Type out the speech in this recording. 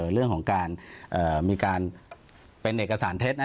เรื่องของการมีการเป็นเอกสารเท็จนะ